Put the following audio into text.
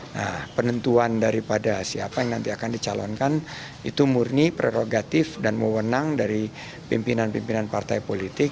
nah penentuan daripada siapa yang nanti akan dicalonkan itu murni prerogatif dan mewenang dari pimpinan pimpinan partai politik